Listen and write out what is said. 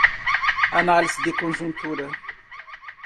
Análise de conjuntura